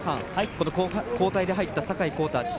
交代で入った坂井航太。